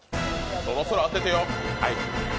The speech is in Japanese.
そろそろ当ててよ。